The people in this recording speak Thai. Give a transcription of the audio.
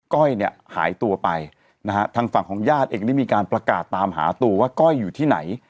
ก้อยเนี่ยหายตัวไปนะฮะทางฝั่งของญาติเองได้มีการประกาศตามหาตัวว่าก้อยอยู่ที่ไหน